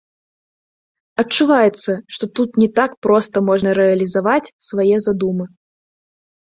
Адчуваецца, што тут не так проста можна рэалізаваць свае задумы?